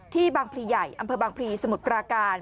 บางพลีใหญ่อำเภอบางพลีสมุทรปราการ